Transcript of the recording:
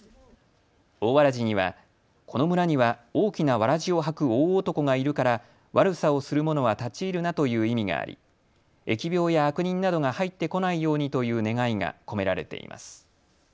大わらじには、この村には大きなわらじを履く大男がいるから悪さをする者は立ち入るなという意味があり疫病や悪人などが入ってこないようにという願いが込められています。